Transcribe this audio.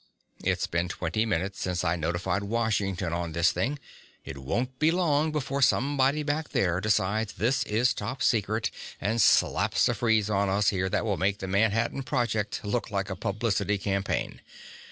It's been twenty minutes since I notified Washington on this thing. It won't be long before somebody back there decides this is top secret and slaps a freeze on us here that will make the Manhattan Project look like a publicity campaign.